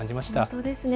本当ですね。